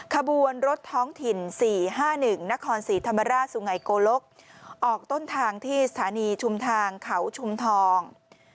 ขบวนรถท้องถิ่น๔๕๑นครศรีธรรมราชสุงัยโกลกออกต้นทางที่สถานีชุมทางเขาชุมทอง